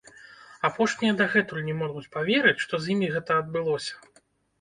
Апошнія дагэтуль не могуць паверыць, што з імі гэта адбылося!